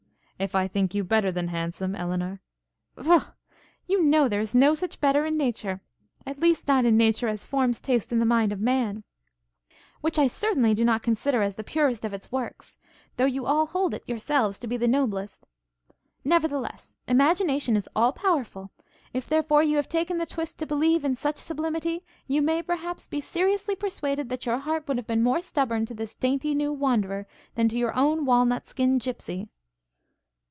'If I think you better than handsome, Elinor ' 'Pho! you know there is no such better in nature; at least not in such nature as forms taste in the mind of man; which I certainly do not consider as the purest of its works; though you all hold it, yourselves, to be the noblest. Nevertheless, imagination is all powerful; if, therefore, you have taken the twist to believe in such sublimity, you may, perhaps, be seriously persuaded, that your heart would have been more stubborn to this dainty new Wanderer than to your own walnut skinned gypsey.'